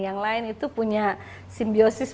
yang lain itu punya simbiosis